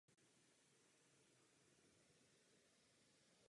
Je profesorem na Harvardově univerzitě a šéfredaktorem časopisu "Global Policy".